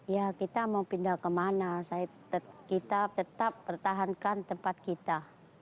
ya kita mau pindah kemana kita tetap pertahankan tempat kita